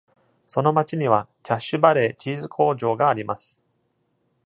その町には、キャッシュバレーチーズ工場があります。